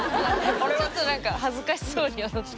ちょっと何か恥ずかしそうに踊ってる。